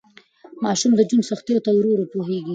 ماشوم د ژوند سختیو ته ورو ورو پوهیږي.